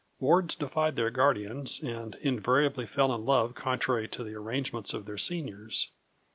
Wards defied their guardians, and invariably fell in love contrary to the arrangements of their seniors.